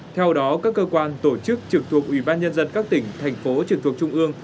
theo đó các cơ quan tổ chức trực thuộc ủy ban nhân dân các tỉnh thành phố trực thuộc trung ương